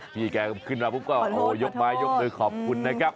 พี่แกขึ้นมาพวกก็ขอโทษขอบคุณนะครับ